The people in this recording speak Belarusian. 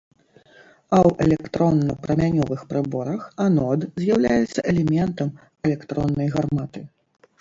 А ў электронна-прамянёвых прыборах анод з'яўляецца элементам электроннай гарматы.